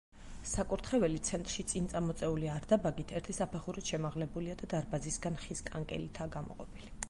საკურთხეველი, ცენტრში წინწამოწეული არდაბაგით, ერთი საფეხურით შემაღლებულია და დარბაზისგან ხის კანკელითაა გამოყოფილი.